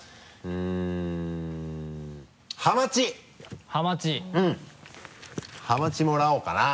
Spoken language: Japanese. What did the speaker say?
うんハマチもらおうかな。